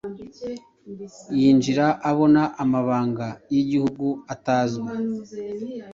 yinjira abona amabanga yigihugu atazwi.